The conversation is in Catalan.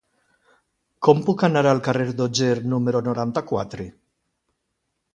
Com puc anar al carrer d'Otger número noranta-quatre?